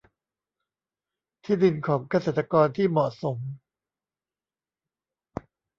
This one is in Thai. ที่ดินของเกษตรกรที่เหมาะสม